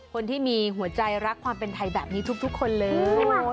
คนที่มีหัวใจรักความเป็นไทยแบบนี้ทุกคนเลย